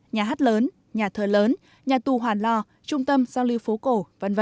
nhà hát lớn nhà thờ lớn nhà tù hoàn lo trung tâm giao lưu phố cổ v v